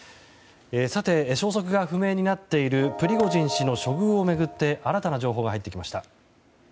消息が不明になっているプリゴジン氏の処遇を巡って新たな情報が入ってきました。